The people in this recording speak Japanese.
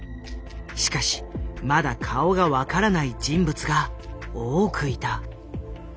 しかしまだ顔が分からない人物が多くいた。